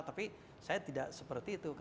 tapi saya tidak seperti itu